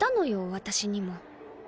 私にも。